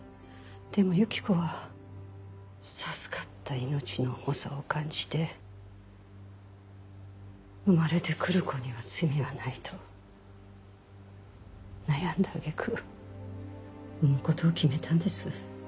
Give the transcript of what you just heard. でも由紀子は授かった命の重さを感じて生まれて来る子には罪はないと悩んだ揚げ句産むことを決めたんです。